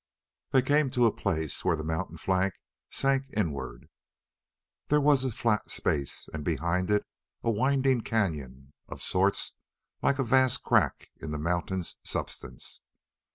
They came to a place where the mountain flank sank inward. There was a flat space, and behind it a winding cañon of sorts like a vast crack in the mountain's substance.